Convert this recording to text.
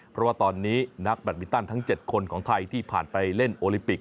เพราะว่าตอนนี้นักแบตมินตันทั้ง๗คนของไทยที่ผ่านไปเล่นโอลิมปิก